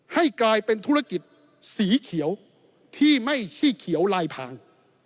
ให้กลายเป็นธุรกิจสีเขียวที่ไม่ใช่เขียวลายพาง